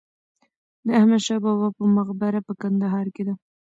د احمدشاه بابا په مقبره په کندهار کې ده.